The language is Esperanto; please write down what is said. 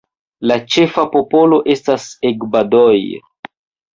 La ĉefa popolo estas Egbadoj.